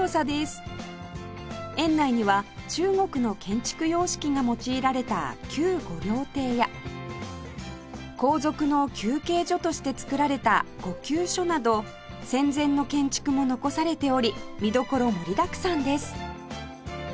園内には中国の建築様式が用いられた旧御凉亭や皇族の休憩所として造られた御休所など戦前の建築も残されており見どころ盛りだくさんです